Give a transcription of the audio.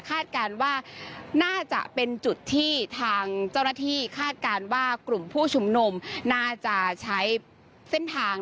การว่าน่าจะเป็นจุดที่ทางเจ้าหน้าที่คาดการณ์ว่ากลุ่มผู้ชุมนุมน่าจะใช้เส้นทาง